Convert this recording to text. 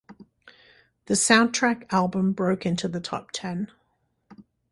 The soundtrack album broke into the top ten.